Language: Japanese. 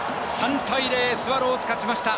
３対０、スワローズ勝ちました。